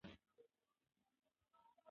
دوی د پښتنو د ننګ او غیرت ساتونکي وو.